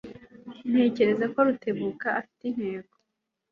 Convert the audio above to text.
Ntekereza ko Rutebuka afite intego.